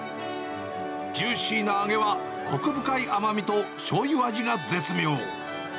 ジューシーな揚げは、こく深い甘みとしょうゆ味が絶妙。